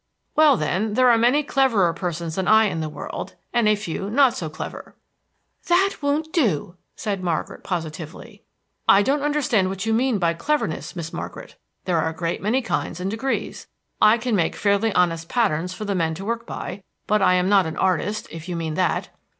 "Well, then, there are many cleverer persons than I in the world, and a few not so clever." "That won't do," said Margaret positively. "I don't understand what you mean by cleverness, Miss Margaret. There are a great many kinds and degrees. I can make fairly honest patterns for the men to work by; but I am not an artist, if you mean that."